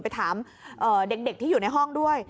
ไปถามเด็กที่อยู่ในห้องด้วย